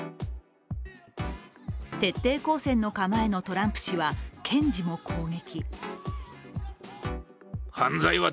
徹底抗戦の構えのトランプ氏は検事も攻撃。